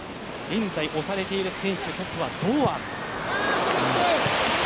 現在、推されている選手のトップは堂安。